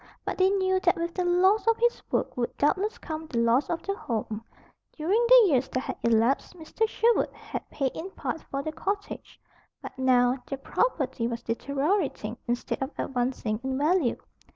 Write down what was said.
But they knew that with the loss of his work would doubtless come the loss of the home. During the years that had elapsed, Mr. Sherwood had paid in part for the cottage; but now the property was deteriorating instead of advancing in value.